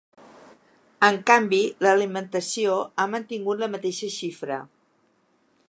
En canvi, l’alimentació ha mantingut la mateixa xifra.